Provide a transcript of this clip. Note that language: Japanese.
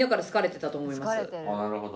なるほど。